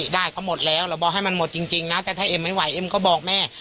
ได้เขาหมดแล้วเราบอกให้มันหมดจริงนะแต่ถ้าเอ็มไม่ไหวเอ็มก็บอกแม่